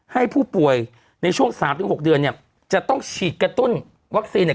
ให้ผู้ป่วยในช่วงสามถึงหกเดือนเนี่ยจะต้องฉีดกระตุ้นวัคซีนเนี่ย